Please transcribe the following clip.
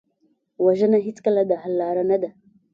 وژنه هېڅکله د حل لاره نه ده